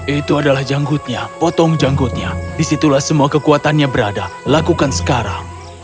itu adalah janggutnya potong janggutnya disitulah semua kekuatannya berada lakukan sekarang